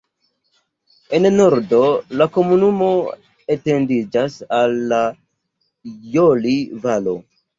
En nordo la komunumo etendiĝas al la Joli-Valo.